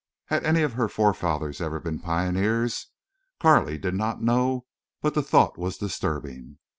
Had any of her forefathers ever been pioneers? Carley did not know, but the thought was disturbing.